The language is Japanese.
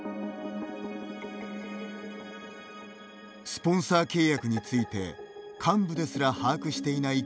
スポンサー契約について幹部ですら把握していない